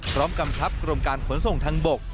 กำชับกรมการขนส่งทางบก